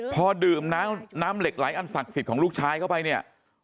พอดื่มน้ำน้ำเหล็กไหลอันศักดิ์สิทธิ์ของลูกชายเข้าไปเนี่ย